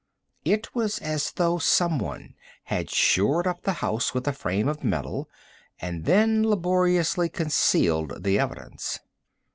It was as though someone had shored up the house with a frame of metal and then laboriously concealed the evidence.